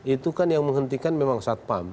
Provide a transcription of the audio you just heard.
itu kan yang menghentikan memang satpam